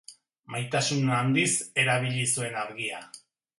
Maisutasun handiz erabili zuen argia.